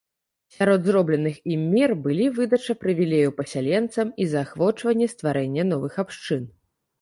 Сярод зробленых ім мер былі выдача прывілеяў пасяленцам і заахвочванне стварэння новых абшчын.